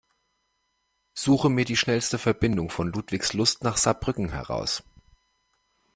Suche mir die schnellste Verbindung von Ludwigslust nach Saarbrücken heraus.